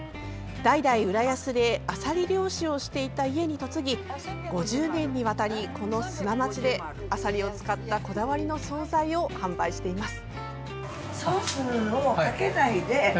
代々、浦安であさり漁師をしていた家に嫁ぎ５０年にわたり、この砂町であさりを使ったこだわりの総菜を販売しています。